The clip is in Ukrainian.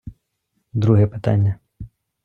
Друге питання.